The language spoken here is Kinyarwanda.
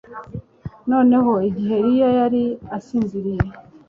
Noneho igihe Eliya yari asinziriye